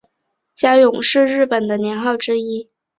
嘉永是日本的年号之一。